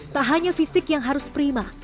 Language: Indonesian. tak hanya fisik yang harus prima